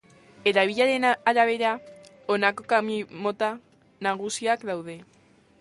Erabileraren arabera, honako kamioi mota nagusiak daude.